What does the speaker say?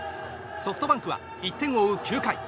ソフトバンクは１点を追う９回。